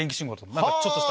何かちょっとした。